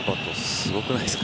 すごくないですか？